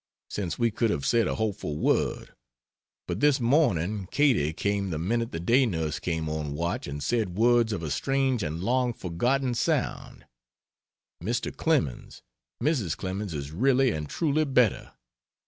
since we could have said a hopeful word, but this morning Katy came the minute the day nurse came on watch and said words of a strange and long forgotten sound: "Mr. Clemens, Mrs. Clemens is really and truly better!